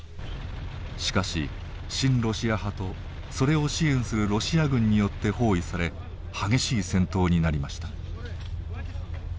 しかし親ロシア派とそれを支援するロシア軍によって包囲され激しい戦闘になりました。